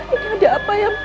ini ada apa ya